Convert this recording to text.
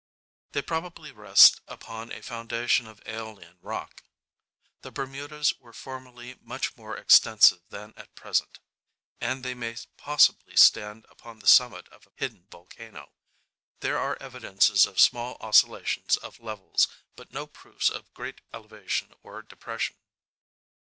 They probably rest upon a foundation of aeolian rock. The Bermudas were formerly much more extensive than at present, and they may possibly stand upon the summit of a hidden volcano. There are evidences of small oscillations of levels, but no proofs of great elevation or depression.